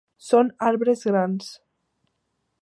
Són arbres grans.